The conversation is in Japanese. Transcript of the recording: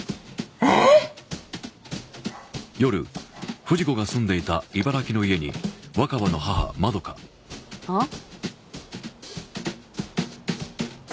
えっ？あっ？